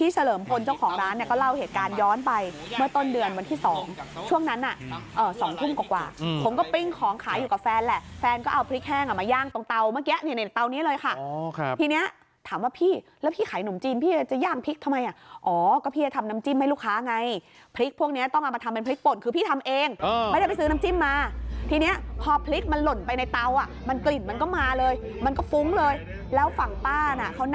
เฉลิมพลเจ้าของร้านก็เล่าเหตุการณ์ย้อนไปเมื่อต้นเดือนวันที่สองช่วงนั้นอ่ะสองทุ่มกว่าผมก็ปิ้งของขายอยู่กับแฟนแหละแฟนก็เอาพริกแห้งมาย่างตรงเตาเมื่อกี้ในเตานี้เลยค่ะทีนี้ถามว่าพี่แล้วพี่ขายหนุ่มจีนพี่จะย่างพริกทำไมอ่ะอ๋อก็พี่จะทำน้ำจิ้มให้ลูกค้าไงพริกพวกเนี้ยต้องเอามาทำเป็